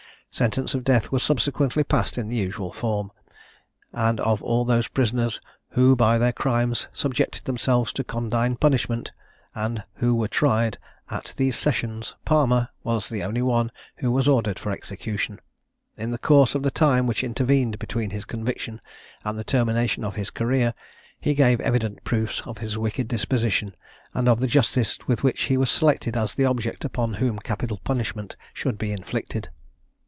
Sentence of death was subsequently passed in the usual form; and of all those prisoners who by their crimes subjected themselves to condign punishment, and who were tried at these sessions, Palmer was the only one who was ordered for execution. In the course of the time which intervened between his conviction and the termination of his career, he gave evident proofs of his wicked disposition, and of the justice with which he was selected as the object upon whom capital punishment should be inflicted.